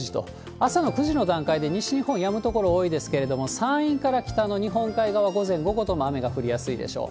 朝の９時の段階で西日本、やむ所多いですけれども、山陰から北の日本海側、午前、午後とも雨が降りやすいでしょう。